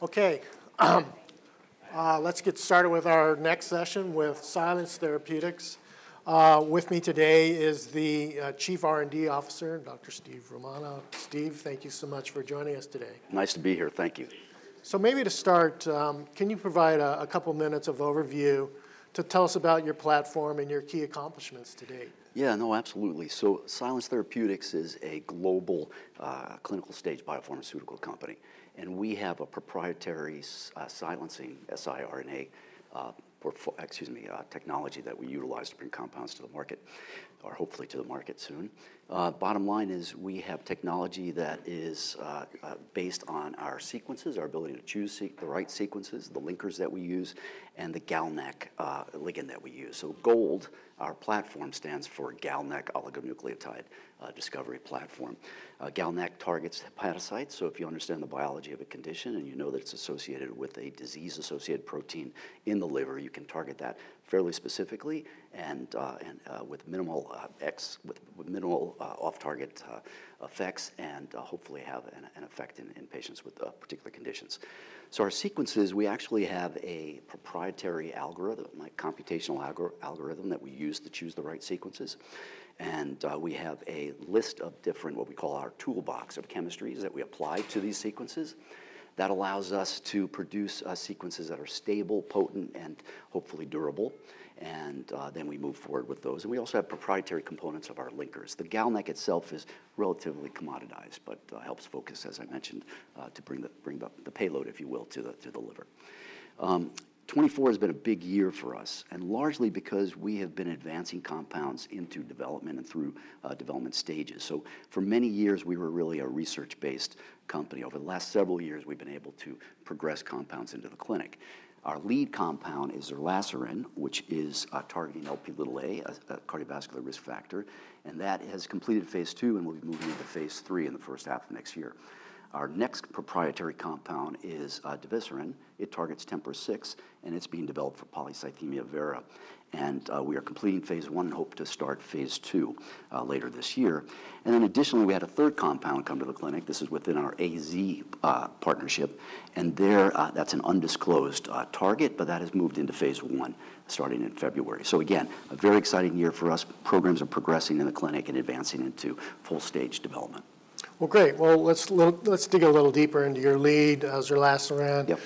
Okay, let's get started with our next session with Silence Therapeutics. With me today is the Chief R&D Officer, Dr. Steve Romano. Steve, thank you so much for joining us today. Nice to be here. Thank you. Maybe to start, can you provide a couple minutes of overview to tell us about your platform and your key accomplishments to date? Yeah, no, absolutely. Silence Therapeutics is a global clinical stage biopharmaceutical company, and we have a proprietary silencing siRNA excuse me technology that we utilize to bring compounds to the market, or hopefully to the market soon. Bottom line is, we have technology that is based on our sequences, our ability to choose the right sequences, the linkers that we use, and the GalNAc ligand that we use. GOLD, our platform, stands for GalNAc Oligonucleotide Discovery Platform. GalNAc targets hepatocytes, so if you understand the biology of a condition and you know that it's associated with a disease-associated protein in the liver, you can target that fairly specifically, and with minimal ex... with minimal off-target effects, and hopefully have an effect in patients with particular conditions. So our sequences, we actually have a proprietary algorithm, like computational algorithm, that we use to choose the right sequences, and we have a list of different, what we call our toolbox of chemistries, that we apply to these sequences. That allows us to produce sequences that are stable, potent, and hopefully durable, and then we move forward with those. And we also have proprietary components of our linkers. The GalNAc itself is relatively commoditized, but helps focus, as I mentioned, to bring the payload, if you will, to the liver. 2024 has been a big year for us, and largely because we have been advancing compounds into development and through development stages. For many years, we were really a research-based company. Over the last several years, we've been able to progress compounds into the clinic. Our lead compound is zerlasiran, which is targeting Lp(a), a cardiovascular risk factor, and that has completed phase II, and we'll be moving into phase III in the first half of next year. Our next proprietary compound is divesiran. It targets TMPRSS6, and it's being developed for polycythemia vera, and we are completing phase I and hope to start phase II later this year. Then additionally, we had a third compound come to the clinic. This is within our AZ partnership, and that's an undisclosed target, but that has moved into phase I starting in February. Again, a very exciting year for us. Programs are progressing in the clinic and advancing into full stage development. Great! Let's dig a little deeper into your lead, zerlasiran. Yep...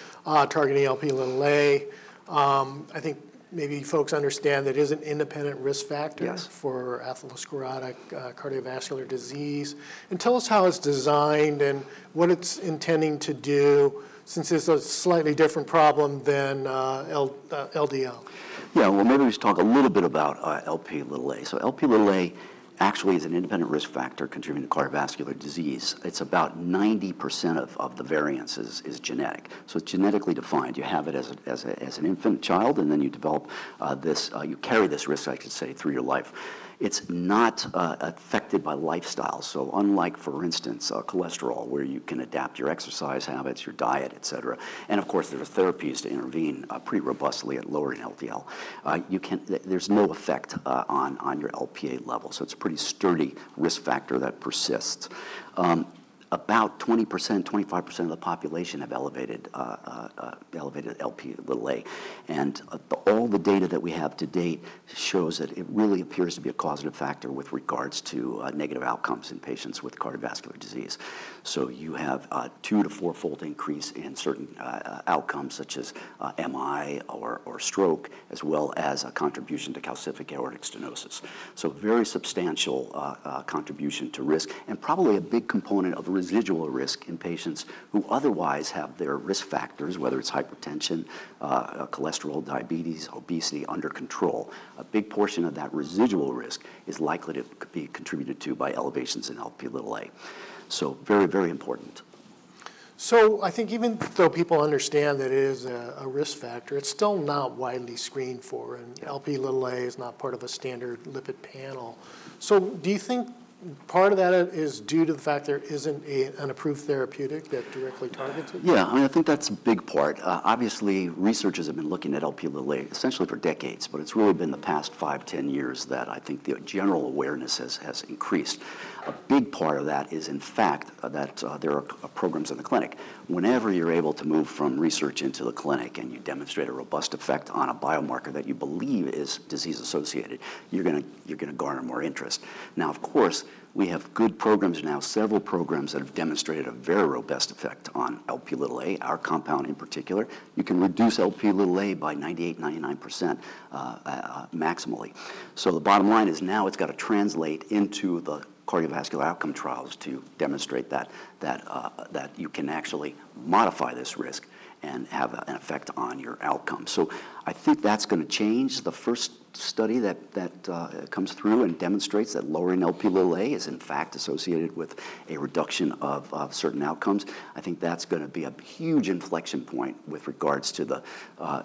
targeting Lp(a). I think maybe folks understand that is an independent risk factor- Yes -for atherosclerotic cardiovascular disease. And tell us how it's designed and what it's intending to do, since it's a slightly different problem than LDL. Yeah. Well, maybe we should talk a little bit about Lp(a). So Lp(a) actually is an independent risk factor contributing to cardiovascular disease. It's about 90% of the variances is genetic, so it's genetically defined. You have it as an infant child, and then you develop this, you carry this risk, I should say, through your life. It's not affected by lifestyle. So unlike, for instance, cholesterol, where you can adapt your exercise habits, your diet, et cetera, and of course, there are therapies to intervene pretty robustly at lowering LDL, you can't. There's no effect on your Lp(a) level, so it's a pretty sturdy risk factor that persists. About 20%-25% of the population have elevated Lp(a), and all the data that we have to date shows that it really appears to be a causative factor with regards to negative outcomes in patients with cardiovascular disease. You have a two- to four-fold increase in certain outcomes, such as MI or stroke, as well as a contribution to calcific aortic stenosis. Very substantial contribution to risk, and probably a big component of residual risk in patients who otherwise have their risk factors, whether it's hypertension, cholesterol, diabetes, obesity under control. A big portion of that residual risk is likely to be contributed to by elevations in Lp(a). Very, very important. So I think even though people understand that it is a risk factor, it's still not widely screened for, andLp(a) is not part of a standard lipid panel. So do you think part of that is due to the fact there isn't an approved therapeutic that directly targets it? Yeah, I think that's a big part. Obviously, researchers have been looking at Lp(a) essentially for decades, but it's really been the past five, ten years that I think the general awareness has increased. A big part of that is, in fact, that there are programs in the clinic. Whenever you're able to move from research into the clinic, and you demonstrate a robust effect on a biomarker that you believe is disease-associated, you're gonna garner more interest. Now, of course, we have good programs now, several programs that have demonstrated a very robust effect on Lp(a), our compound in particular. You can reduce Lp(a) by 98%-99%, maximally. So the bottom line is now it's gotta translate into the cardiovascular outcome trials to demonstrate that you can actually modify this risk and have an effect on your outcome. So I think that's gonna change. The first study that comes through and demonstrates that lowering Lp(a) is in fact associated with a reduction of certain outcomes, I think that's gonna be a huge inflection point with regards to the,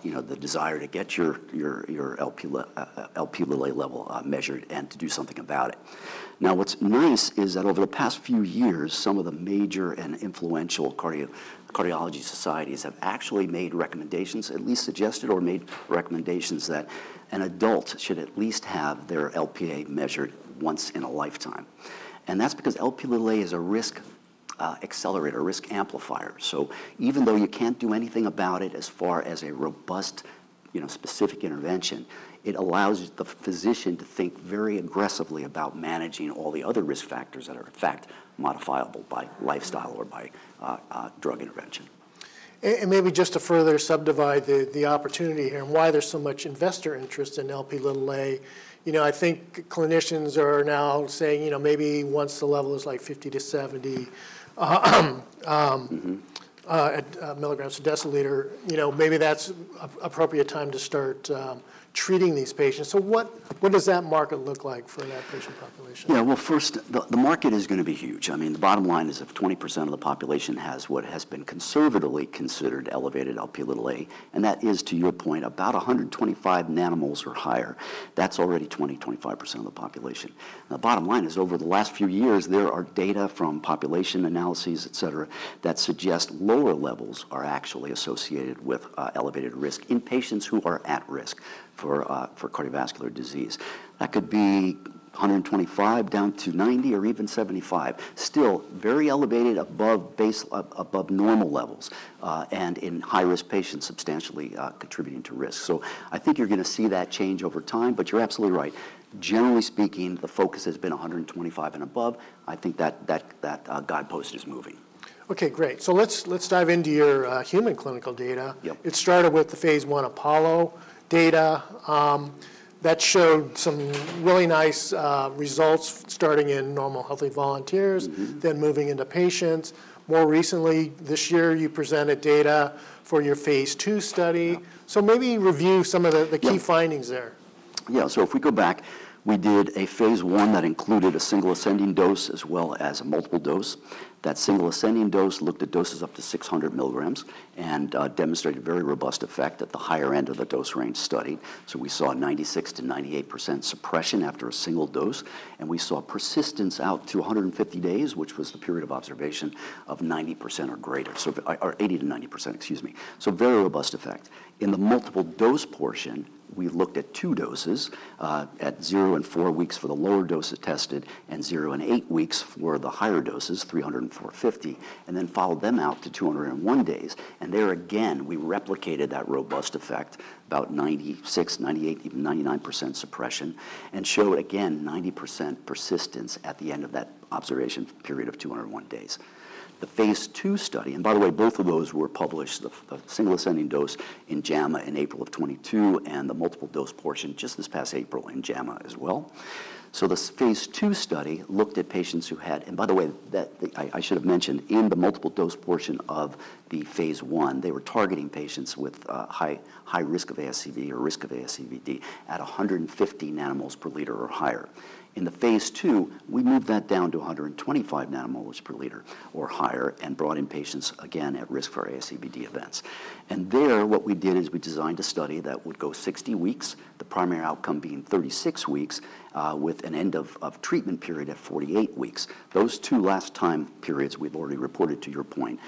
you know, the desire to get your Lp(a) level measured and to do something about it. Now, what's nice is that over the past few years, some of the major and influential cardiology societies have actually made recommendations, at least suggested or made recommendations, that an adult should at least have their Lp(a) measured once in a lifetime, and that's because Lp(a) is a risk factor-... accelerator, risk amplifier, so even though you can't do anything about it as far as a robust, you know, specific intervention, it allows the physician to think very aggressively about managing all the other risk factors that are, in fact, modifiable by lifestyle or by drug intervention. and maybe just to further subdivide the opportunity here and why there's so much investor interest in Lp(a), you know, I think clinicians are now saying, you know, maybe once the level is, like, 50-70. Mm-hmm... milligrams per deciliter, you know, maybe that's an appropriate time to start treating these patients. So what does that market look like for that patient population? Yeah, well, first, the market is going to be huge. I mean, the bottom line is, if 20% of the population has what has been conservatively considered elevated Lp(a), and that is, to your point, about 125 nanomoles or higher, that's already 20, 25% of the population. The bottom line is, over the last few years, there are data from population analyses, et cetera, that suggest lower levels are actually associated with elevated risk in patients who are at risk for cardiovascular disease. That could be 125 down to 90 or even 75. Still very elevated, above normal levels, and in high-risk patients, substantially contributing to risk. So I think you're going to see that change over time, but you're absolutely right. Generally speaking, the focus has been 125 and above. I think that guidepost is moving. Okay, great. So let's dive into your human clinical data. Yep. It started with the phase I APOLLO data. That showed some really nice results, starting in normal, healthy volunteers- Mm-hmm... then moving into patients. More recently, this year, you presented data for your phase II study. Yeah. So maybe review some of the- Yep... the key findings there. Yeah, so if we go back, we did a phase I that included a single ascending dose as well as a multiple dose. That single ascending dose looked at doses up to 600 milligrams, and demonstrated a very robust effect at the higher end of the dose range study. So we saw a 96%-98% suppression after a single dose, and we saw persistence out to 150 days, which was the period of observation, of 90% or greater, so, or 80%-90%, excuse me, so very robust effect. In the multiple dose portion, we looked at two doses, at zero and four weeks for the lower dose tested, and zero and eight weeks for the higher doses, 300 and 450, and then followed them out to 201 days. There again, we replicated that robust effect, about 96, 98, even 99% suppression, and showed again 90% persistence at the end of that observation period of 201 days. The phase II study... By the way, both of those were published, the single ascending dose in JAMA in April of 2022, and the multiple dose portion just this past April in JAMA as well. This phase II study looked at patients who had... By the way, that I should have mentioned, in the multiple dose portion of the phase I, they were targeting patients with high risk of ASCVD or risk of ASCVD at 150 nanomoles per liter or higher. In the phase II, we moved that down to 125 nanomoles per liter or higher and brought in patients again at risk for ASCVD events. And there, what we did is we designed a study that would go 60 weeks, the primary outcome being 36 weeks, with an end of treatment period at 48 weeks. Those two last time periods we've already reported, to your point,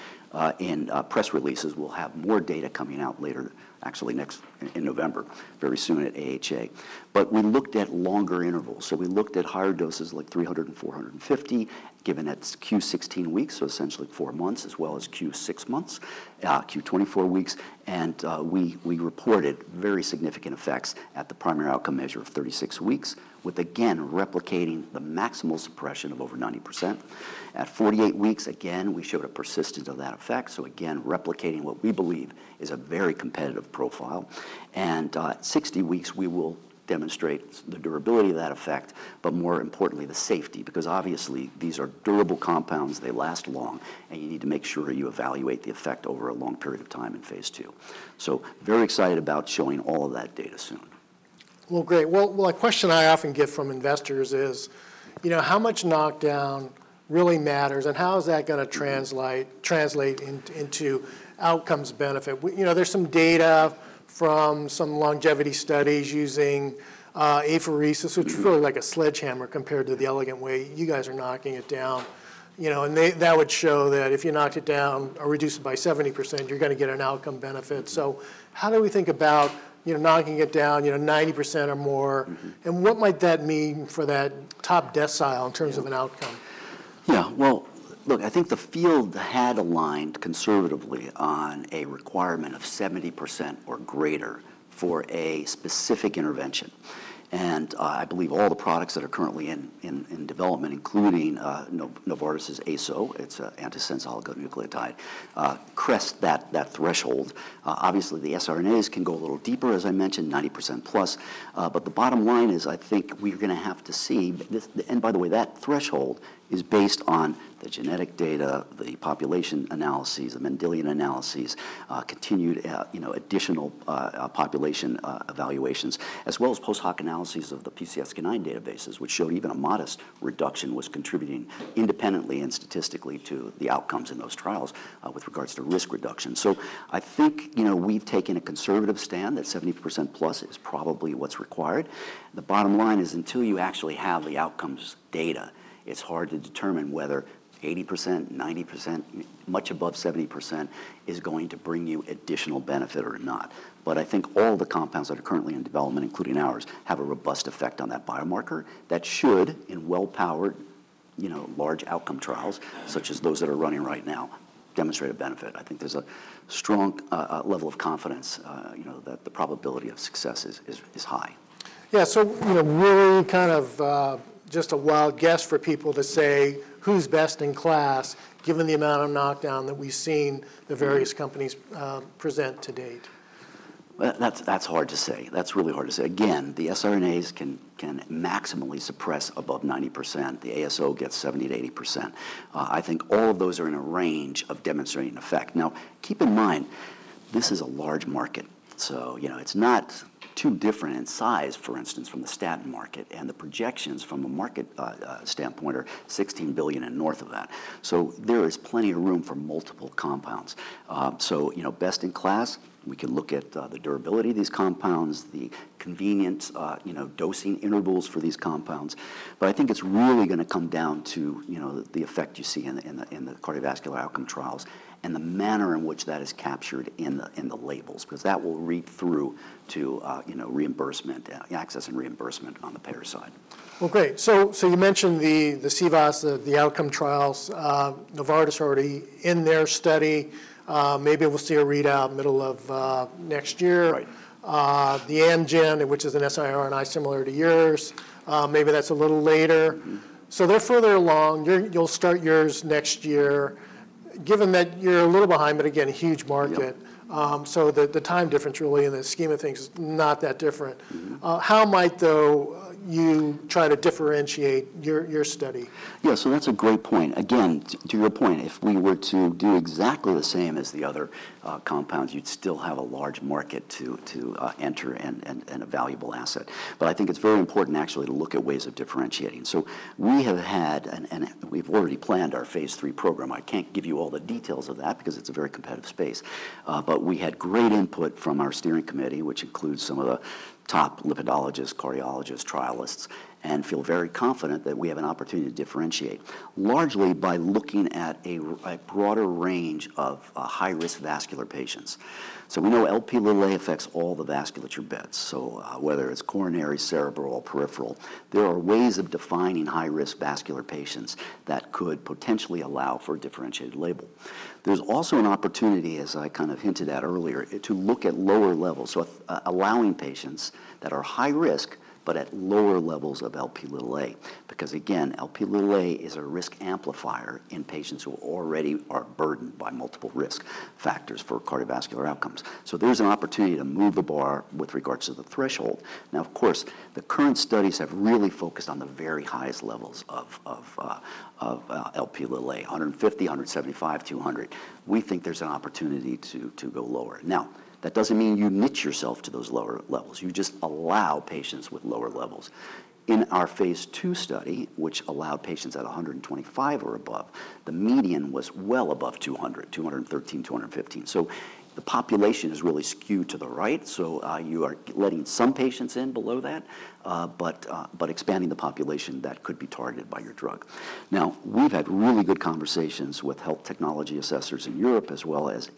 in press releases. We'll have more data coming out later, actually next, in November, very soon at AHA. But we looked at longer intervals. So we looked at higher doses, like 300 and 450, given at Q16 weeks, so essentially four months, as well as Q6 months, Q24 weeks, and we reported very significant effects at the primary outcome measure of 36 weeks, with again replicating the maximal suppression of over 90%. At 48 weeks, again, we showed a persistence of that effect, so again, replicating what we believe is a very competitive profile. And, at 60 weeks, we will demonstrate the durability of that effect, but more importantly, the safety, because obviously, these are durable compounds. They last long, and you need to make sure you evaluate the effect over a long period of time in phase II. So very excited about showing all of that data soon. Well, great. Well, a question I often get from investors is, you know, how much knockdown really matters, and how is that going to translate into outcomes benefit? We... You know, there's some data from some longevity studies using apheresis, which is really like a sledgehammer compared to the elegant way you guys are knocking it down. You know, and they, that would show that if you knock it down or reduce it by 70%, you're going to get an outcome benefit. So how do we think about, you know, knocking it down, you know, 90% or more? Mm-hmm. What might that mean for that top decile in terms of an outcome? Yeah, well, look, I think the field had aligned conservatively on a requirement of 70% or greater for a specific intervention. And I believe all the products that are currently in development, including Novartis' ASO, it's an antisense oligonucleotide, crosses that threshold. Obviously, the siRNAs can go a little deeper, as I mentioned, 90% plus. But the bottom line is, I think we're going to have to see this. And by the way, that threshold is based on the genetic data, the population analyses, the Mendelian analyses, continued, you know, additional population evaluations, as well as post-hoc analyses of the PCSK9 databases, which show even a modest reduction was contributing independently and statistically to the outcomes in those trials, with regards to risk reduction. So I think, you know, we've taken a conservative stand, that 70% plus is probably what's required. The bottom line is, until you actually have the outcomes data, it's hard to determine whether 80%, 90%, much above 70% is going to bring you additional benefit or not. But I think all the compounds that are currently in development, including ours, have a robust effect on that biomarker that should, in well-powered, you know, large outcome trials, such as those that are running right now, demonstrate a benefit. I think there's a strong level of confidence, you know, that the probability of success is high. Yeah, so, you know, really kind of, just a wild guess for people to say who's best in class, given the amount of knockdown that we've seen the various companies present to date? That's hard to say. That's really hard to say. Again, the siRNAs can maximally suppress above 90%. The ASO gets 70%-80%. I think all of those are in a range of demonstrating effect. Now, keep in mind, this is a large market, so you know, it's not too different in size, for instance, from the statin market, and the projections from a market standpoint are 16 billion and north of that. So there is plenty of room for multiple compounds. So, you know, best in class, we can look at the durability of these compounds, the convenience, you know, dosing intervals for these compounds. But I think it's really gonna come down to, you know, the effect you see in the cardiovascular outcome trials, and the manner in which that is captured in the labels, 'cause that will read through to, you know, reimbursement, access and reimbursement on the payer side. Great. So you mentioned the CVOT, the outcome trials. Novartis is already in their study. Maybe we'll see a readout middle of next year. Right. The Amgen, which is an siRNA similar to yours, maybe that's a little later. Mm-hmm. So they're further along. You'll start yours next year. Given that you're a little behind, but again, a huge market- Yep... so the time difference really in the scheme of things is not that different. Mm-hmm. How might, though, you try to differentiate your study? Yeah, so that's a great point. Again, to your point, if we were to do exactly the same as the other compounds, you'd still have a large market to enter and a valuable asset. But I think it's very important actually to look at ways of differentiating. So we have had and we've already planned our phase III program. I can't give you all the details of that because it's a very competitive space. But we had great input from our steering committee, which includes some of the top lipidologists, cardiologists, trialists, and feel very confident that we have an opportunity to differentiate, largely by looking at a broader range of high-risk vascular patients. So we know Lp(a) affects all the vascular beds, so, whether it's coronary, cerebral, peripheral, there are ways of defining high-risk vascular patients that could potentially allow for a differentiated label. There's also an opportunity, as I kind of hinted at earlier, to look at lower levels, so, allowing patients that are high risk but at lower levels of Lp(a), because again, Lp(a) is a risk amplifier in patients who already are burdened by multiple risk factors for cardiovascular outcomes. So there's an opportunity to move the bar with regards to the threshold. Now, of course, the current studies have really focused on the very highest levels of Lp(a), 150, 175, 200. We think there's an opportunity to go lower. Now, that doesn't mean you niche yourself to those lower levels. You just allow patients with lower levels. In our phase II study, which allowed patients at 125 or above, the median was well above 200, 213, 215. So the population is really skewed to the right, so you are letting some patients in below that, but expanding the population that could be targeted by your drug. Now, we've had really good conversations with health technology assessors in Europe, as well as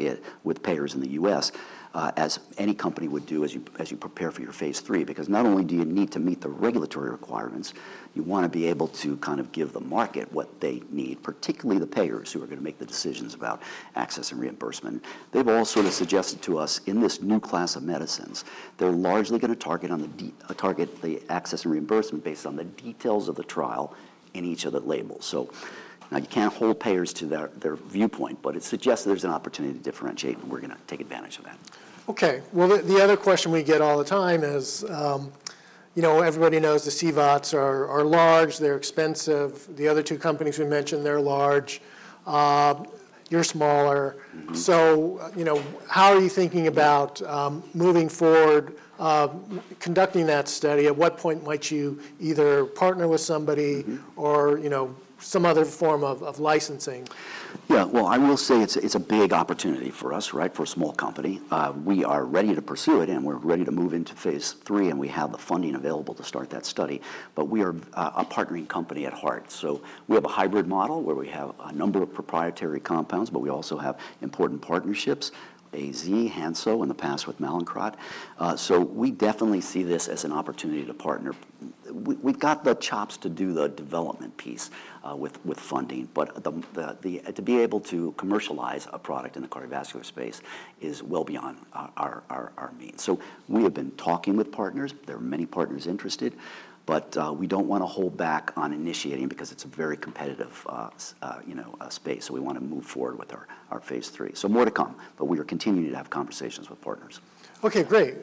with payers in the US, as any company would do as you prepare for your phase III, because not only do you need to meet the regulatory requirements, you wanna be able to kind of give the market what they need, particularly the payers, who are gonna make the decisions about access and reimbursement. They've also suggested to us, in this new class of medicines, they're largely gonna target the access and reimbursement based on the details of the trial in each of the labels. So now, you can't hold payers to their, their viewpoint, but it suggests there's an opportunity to differentiate, and we're gonna take advantage of that. Okay. Well, the other question we get all the time is, you know, everybody knows the CVOTs are large, they're expensive. The other two companies we mentioned, they're large. You're smaller. Mm-hmm. So, you know, how are you thinking about, moving forward, conducting that study? At what point might you either partner with somebody- Mm-hmm... or, you know, some other form of licensing? Yeah, well, I will say it's a big opportunity for us, right? For a small company. We are ready to pursue it, and we're ready to move into phase III, and we have the funding available to start that study, but we are a partnering company at heart. So we have a hybrid model, where we have a number of proprietary compounds, but we also have important partnerships, AZ, Hansoh, in the past with Mallinckrodt. So we definitely see this as an opportunity to partner. We've got the chops to do the development piece, with funding, but to be able to commercialize a product in the cardiovascular space is well beyond our means. So we have been talking with partners. There are many partners interested, but we don't wanna hold back on initiating because it's a very competitive, you know, space, so we wanna move forward with our phase III. So more to come, but we are continuing to have conversations with partners. Okay, great.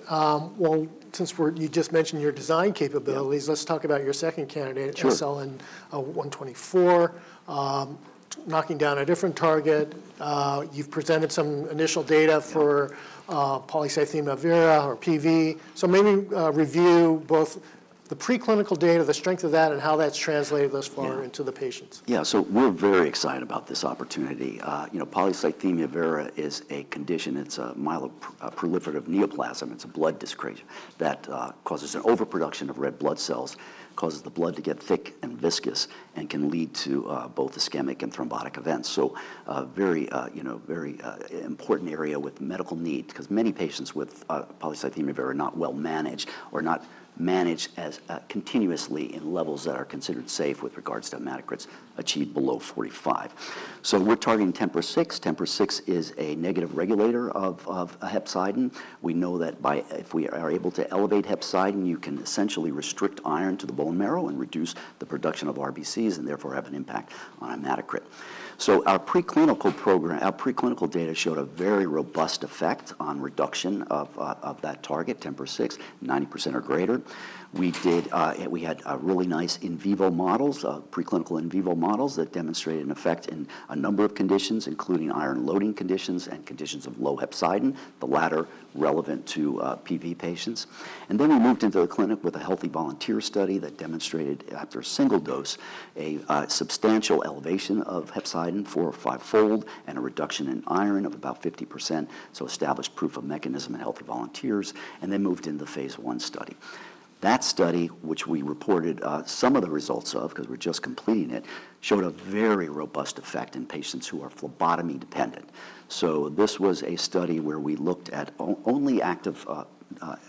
You just mentioned your design capabilities. Yeah. Let's talk about your second candidate- Sure... SLN-124. Knocking down a different target, you've presented some initial data for- Yeah polycythemia vera or PV. So maybe review both the preclinical data, the strength of that, and how that's translated thus far. Yeah -into the patients? Yeah, so we're very excited about this opportunity. You know, polycythemia vera is a condition. It's a myeloproliferative neoplasm. It's a blood disorder that causes an overproduction of red blood cells, causes the blood to get thick and viscous, and can lead to both ischemic and thrombotic events. So, very, you know, very important area with medical need, 'cause many patients with polycythemia vera are not well managed or not managed as continuously in levels that are considered safe with regards to hematocrits, achieved below 45. So we're targeting TMPRSS6. TMPRSS6 is a negative regulator of hepcidin. If we are able to elevate hepcidin, you can essentially restrict iron to the bone marrow and reduce the production of RBCs, and therefore have an impact on hematocrit. So our preclinical program, our preclinical data showed a very robust effect on reduction of that target, TMPRSS6, 90% or greater. We did, we had really nice in vivo models, preclinical in vivo models that demonstrated an effect in a number of conditions, including iron loading conditions and conditions of low hepcidin, the latter relevant to PV patients. And then we moved into the clinic with a healthy volunteer study that demonstrated, after a single dose, a substantial elevation of hepcidin, four or five-fold, and a reduction in iron of about 50%, so established proof of mechanism in healthy volunteers, and then moved into the phase I study. That study, which we reported some of the results of, 'cause we're just completing it, showed a very robust effect in patients who are phlebotomy dependent. This was a study where we looked at only active,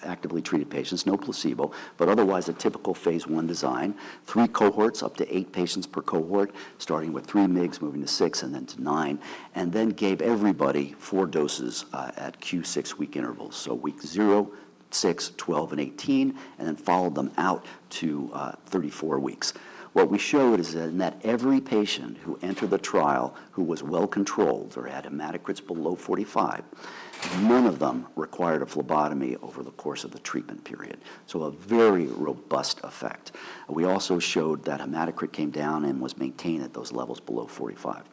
actively treated patients, no placebo, but otherwise a typical phase I design, three cohorts, up to eight patients per cohort, starting with three mgs, moving to six and then to nine, and then gave everybody four doses at Q six-week intervals, so week zero, six, twelve, and eighteen, and then followed them out to thirty-four weeks. What we showed is that in that every patient who entered the trial, who was well-controlled or had hematocrits below forty-five, none of them required a phlebotomy over the course of the treatment period, so a very robust effect. We also showed that hematocrit came down and was maintained at those levels below forty-five.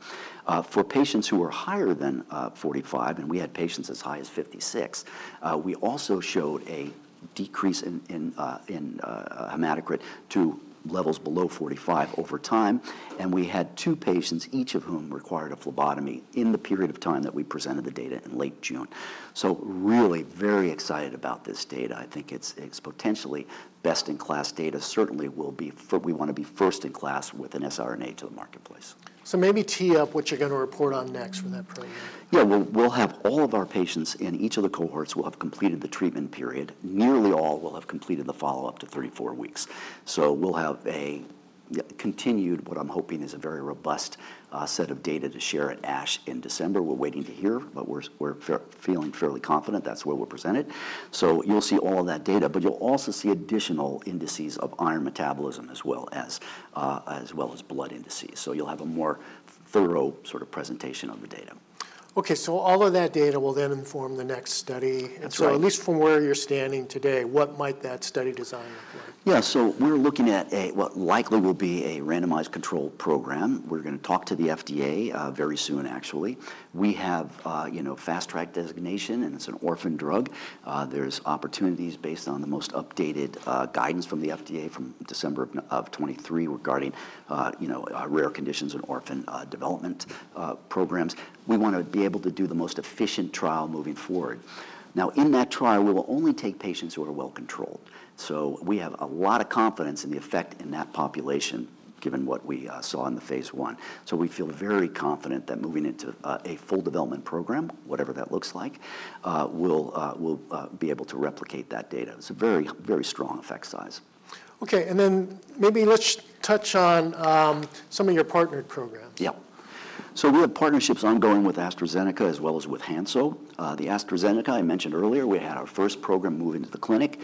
For patients who were higher than 45, and we had patients as high as 56, we also showed a decrease in hematocrit to levels below 45 over time, and we had two patients, each of whom required a phlebotomy in the period of time that we presented the data in late June. So really very excited about this data. I think it's potentially best-in-class data. Certainly will be we want to be first-in-class with an siRNA to the marketplace. So maybe tee up what you're going to report on next for that program. Yeah, we'll have all of our patients in each of the cohorts will have completed the treatment period. Nearly all will have completed the follow-up to thirty-four weeks. So we'll have a continued, what I'm hoping is a very robust set of data to share at ASH in December. We're waiting to hear, but we're feeling fairly confident that's where we'll present it. So you'll see all that data, but you'll also see additional indices of iron metabolism as well as blood indices. So you'll have a more thorough sort of presentation of the data. Okay, so all of that data will then inform the next study. That's right. And so at least from where you're standing today, what might that study design look like? Yeah, so we're looking at what likely will be a randomized controlled program. We're gonna talk to the FDA very soon, actually. We have a you know fast track designation, and it's an orphan drug. There's opportunities based on the most updated guidance from the FDA from December of 2023, regarding you know rare conditions in orphan development programs. We want to be able to do the most efficient trial moving forward. Now, in that trial, we will only take patients who are well-controlled, so we have a lot of confidence in the effect in that population, given what we saw in the phase I. So we feel very confident that moving into a full development program, whatever that looks like, we'll be able to replicate that data. It's a very, very strong effect size. Okay, and then maybe let's touch on some of your partnered programs. Yeah. So we have partnerships ongoing with AstraZeneca, as well as with Hansoh. The AstraZeneca I mentioned earlier, we had our first program move into the clinic.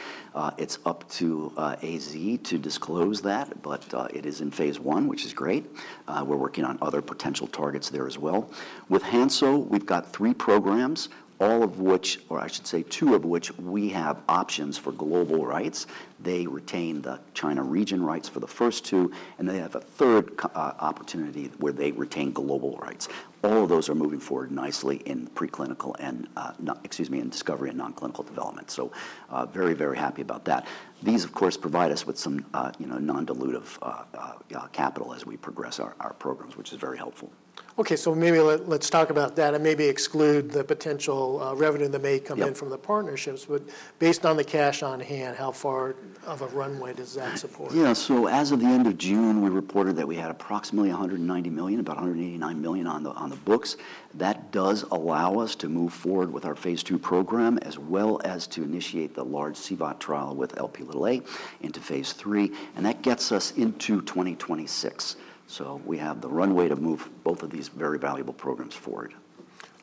It's up to AZ to disclose that, but it is in phase I, which is great. We're working on other potential targets there as well. With Hansoh, we've got three programs, all of which, or I should say two of which, we have options for global rights. They retain the China region rights for the first two, and then they have a third opportunity where they retain global rights. All of those are moving forward nicely in discovery and non-clinical development, so very, very happy about that. These, of course, provide us with some, you know, non-dilutive capital as we progress our programs, which is very helpful. Okay, so maybe let's talk about that and maybe exclude the potential revenue that may come in- Yep From the partnerships. But based on the cash on hand, how far of a runway does that support? Yeah, so as of the end of June, we reported that we had approximately 190 million, about 189 million on the books. That does allow us to move forward with our phase II program, as well as to initiate the large CVOT trial with Lp into phase III, and that gets us into 2026. So we have the runway to move both of these very valuable programs forward.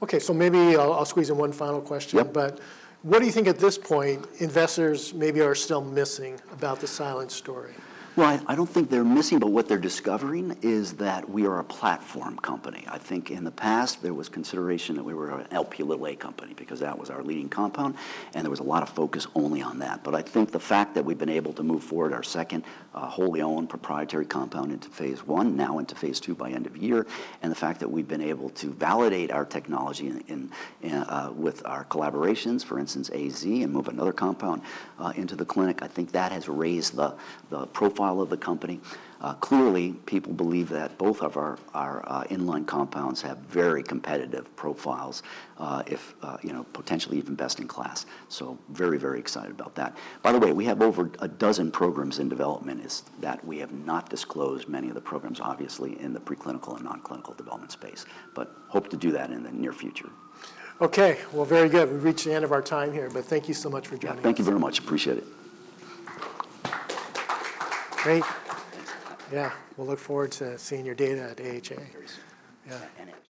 Okay, so maybe I'll squeeze in one final question. Yep. But what do you think, at this point, investors maybe are still missing about the Silence story? Well, I don't think they're missing, but what they're discovering is that we are a platform company. I think in the past, there was consideration that we were a Lp(a) company because that was our leading compound, and there was a lot of focus only on that. But I think the fact that we've been able to move forward our second wholly owned proprietary compound into phase I, now into phase II by end of year, and the fact that we've been able to validate our technology in with our collaborations, for instance, AZ, and move another compound into the clinic, I think that has raised the profile of the company. Clearly, people believe that both of our in-line compounds have very competitive profiles, if you know, potentially even best in class, so very, very excited about that. By the way, we have over a dozen programs in development. That is, we have not disclosed many of the programs, obviously, in the preclinical and non-clinical development space, but hope to do that in the near future. Okay, well, very good. We've reached the end of our time here, but thank you so much for joining us. Thank you very much. Appreciate it. Great. Thanks. Yeah, we'll look forward to seeing your data at AHA. Very soon. Yeah. And-